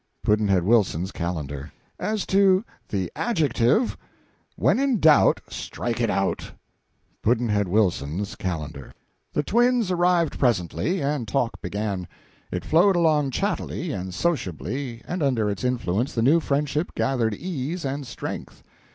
Pudd'nhead Wilson's Calendar. As to the Adjective: when in doubt, strike it out. Pudd'nhead Wilson's Calendar. The twins arrived presently, and talk began. It flowed along chattily and sociably, and under its influence the new friendship gathered ease and strength.